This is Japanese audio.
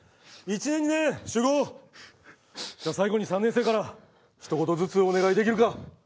１年２年集合！じゃ最後に３年生からひと言ずつお願いできるか。